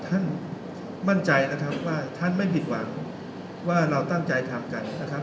ท่านมั่นใจนะครับว่าท่านไม่ผิดหวังว่าเราตั้งใจทำกันนะครับ